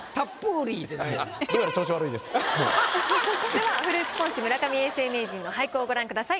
ではフルーツポンチ村上永世名人の俳句をご覧ください。